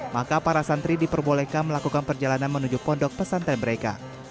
maka para santri diperbolehkan melakukan perjalanan menuju pondok pesantren mereka